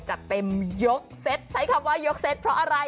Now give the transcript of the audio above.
จัดเต็มยกเซตใช้คำว่ายกเซ็ตเพราะอะไร